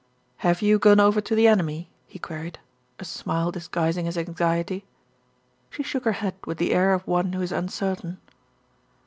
"Have you gone over to the enemy?" he queried, a smile disguising his anxiety. She shook her head with the air of one who is un certain.